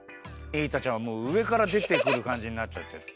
イータちゃんはもううえからでてくるかんじになっちゃってる。